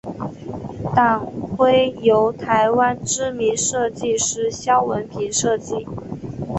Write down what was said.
党徽由台湾知名设计师萧文平设计。